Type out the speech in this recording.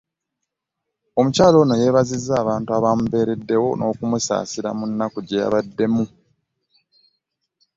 Omukyala ono yeebazizza abantu abamubeereddewo n'okumusaasira mu nnaku gye yabaddemu.